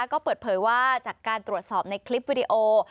ก็เปิดเผยว่าจากการตรวจสอบในคลิปวิดีโอ